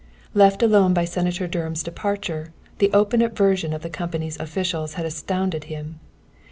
Left alone by Senator Dunham's departure, the open aversion of the company's officials had astounded him.